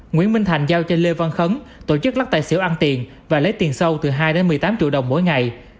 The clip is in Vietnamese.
nguyễn minh thành giao cho lê văn khấn tổ chức lắc tài xỉu ăn tiền và lấy tiền sâu từ hai đến một mươi tám triệu đồng mỗi ngày